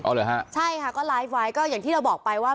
เหรอฮะใช่ค่ะก็ไลฟ์ไว้ก็อย่างที่เราบอกไปว่า